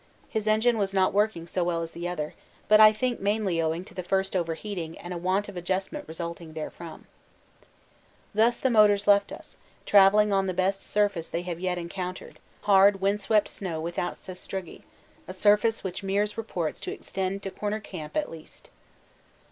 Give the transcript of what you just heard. His engine was not working so well as the other, but I think mainly owing to the first overheating and a want of adjustment resulting therefrom. Thus the motors left us, travelling on the best surface they have yet encountered hard windswept snow without sastrugi a surface which Meares reports to extend to Corner Camp at least.